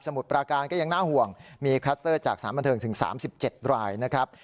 มุดปราการก็ยังน่าห่วงมีคลัสเตอร์จากสารบันเทิงถึง๓๗รายนะครับ